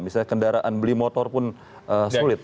misalnya kendaraan beli motor pun sulit